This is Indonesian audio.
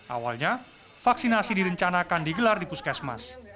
awalnya vaksinasi direncanakan digelar di puskesmas